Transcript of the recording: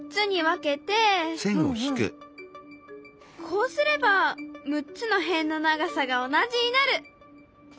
こうすれば６つの辺の長さが同じになる。